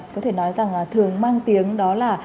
có thể nói rằng thường mang tiếng đó là